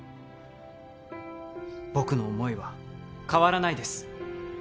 僕の思いは変わらないです